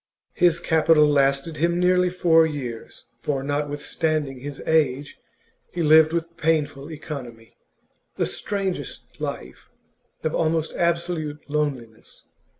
His capital lasted him nearly four years, for, notwithstanding his age, he lived with painful economy. The strangest life, of almost absolute loneliness.